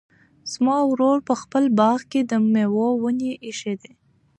زما ورور په خپل باغ کې د مېوو ونې ایښي دي.